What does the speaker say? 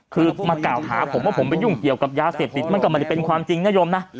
คือมากล่าวหาผมว่าผมไปยุ่งเกี่ยวกับยาเสพติดมันก็ไม่ได้เป็นความจริงนโยมนะ